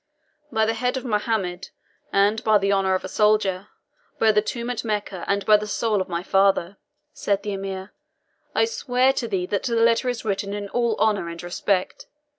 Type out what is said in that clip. "By the head of Mohammed, and by the honour of a soldier by the tomb at Mecca, and by the soul of my father," said the Emir, "I swear to thee that the letter is written in all honour and respect.